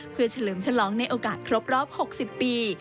เพื่อเฉลิมฉลองในโอกาสครบรอบ๖๐ปี